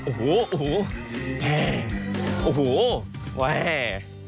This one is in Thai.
โอ้โฮแหว่